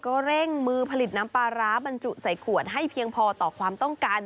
ก็เร่งมือผลิตน้ำปลาร้าบรรจุใส่ขวดให้เพียงพอต่อความต้องการ